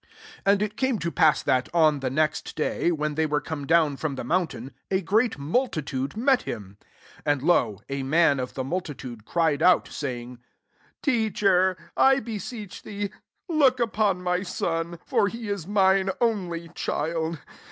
Sr And it came to pass that, on the next day, when they weire come down from the mountain, a great multitude met him. 38 And, lo, a man of the multitude cried out, saying, ^ Teacher, I beseech thee, look upon my son : for he is mine only child.